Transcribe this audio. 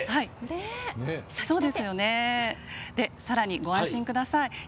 さらに、ご安心ください。